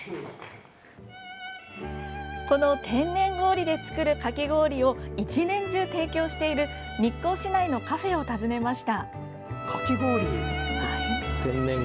この天然氷で作るかき氷を１年中提供している日光市内のカフェを訪ねました。